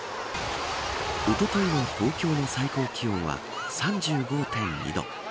おとといの東京の最高気温は３５．２度。